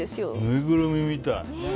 ぬいぐるみみたい。